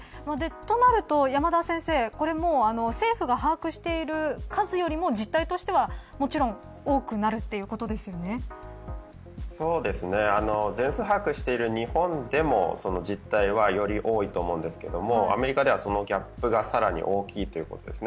となると山田先生政府が把握している数よりも実態としてはもちろん多くなる全数把握をしている日本でも実態は、より多いと思うんですがアメリカでは、そのギャップがさらに大きいということです。